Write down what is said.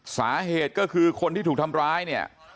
สาเหตุก็คือคนที่ถูกทำร้ายเนี่ย